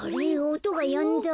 おとがやんだ。